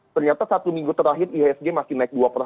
ternyata satu minggu terakhir ihsg masih naik